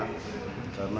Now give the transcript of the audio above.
karena sudah berpalingan